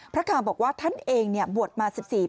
พระข่าวบอกว่าเรื่องเงินในบัญชีของหลวงปู่แสง